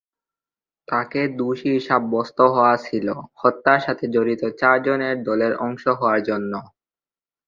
তাকে দোষী সাব্যস্ত হওয়া ছিল হত্যার সাথে জড়িত চার জনের দলের অংশ হওয়ার জন্য।